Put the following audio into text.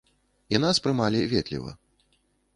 І нас прымалі ветліва.